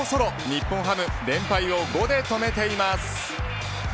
日本ハム連敗を５で止めています。